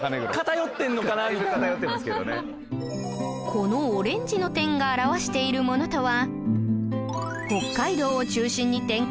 このオレンジの点が表しているものとは